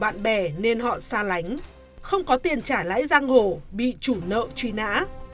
bạn bè nên họ xa lánh không có tiền trả lãi giang hồ bị chủ nợ truy nã